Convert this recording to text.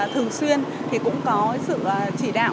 thường xuyên thì cũng có sự chỉ đạo